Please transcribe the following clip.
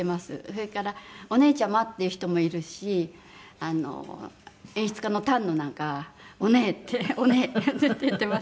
それから「おねえちゃま」って言う人もいるし演出家の丹野なんかは「おねえ」って「おねえ」って言ってますけど。